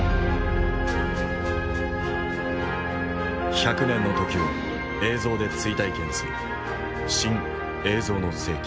百年の時を映像で追体験する「新・映像の世紀」。